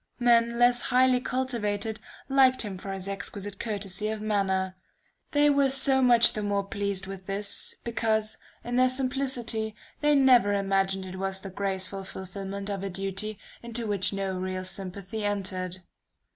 Men less highly cultivated, liked him for his exquisite courtesy of manner. They were so much the more pleased with this, because, in their simplicity, they never imagined it was the graceful fulfillment of a duty into which no real sympathy entered.